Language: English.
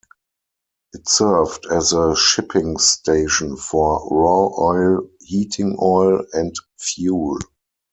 It served as a shipping station for raw oil, heating oil, and fuel.